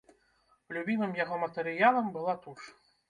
Любімым яго матэрыялам была туш.